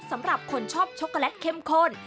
สำหรับคนชอบช็อกโกแลตเข้มข้น